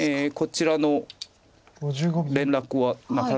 こちらの連絡は。